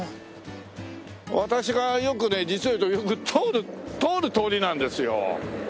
私がよくね実を言うとよく通る通りなんですよ。